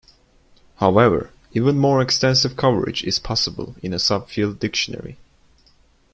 However, even more extensive coverage is possible in a sub-field dictionary.